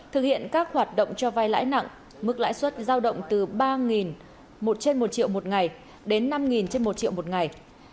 thực hiện các hoạt động cho vai lãi nặng mức lãi suất giao động từ ba một trên một triệu một ngày đến năm trên một triệu một ngày